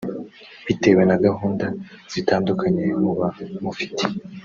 Bitewe na gahunda zitandukanye muba mufite